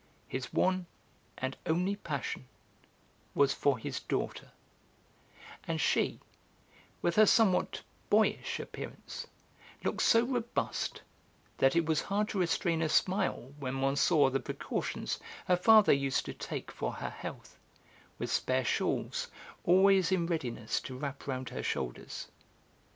His one and only passion was for his daughter, and she, with her somewhat boyish appearance, looked so robust that it was hard to restrain a smile when one saw the precautions her father used to take for her health, with spare shawls always in readiness to wrap around her shoulders.